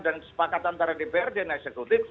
dan sepakat antara dpr dan eksekutif